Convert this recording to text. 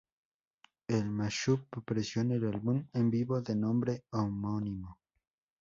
El "mash-up" apareció en el álbum en vivo de nombre homónimo.